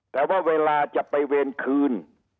แต่ว่าเวลาจะไปเวรคืน